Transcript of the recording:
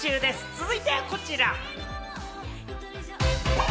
続いてはこちら。